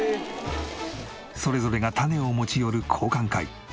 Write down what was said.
それぞれが種を持ち寄る交換会。